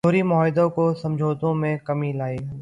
جوہری معاہدے کے سمجھوتوں میں کمی لائے گا۔